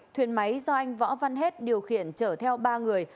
thuyền máy do anh võ văn hết điều khiển chở theo ba người